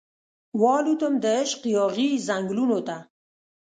والوتم دعشق یاغې ځنګلونو ته